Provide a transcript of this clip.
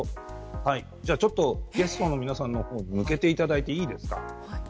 ゲストの皆さんの方に向けていただいていいですか。